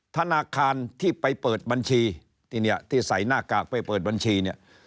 ธนาคารที่ไปเปิดบัญชีที่เนี่ยที่ใส่หน้ากากไปเปิดบัญชีเนี่ย